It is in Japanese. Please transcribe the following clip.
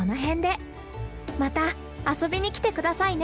また遊びに来て下さいね。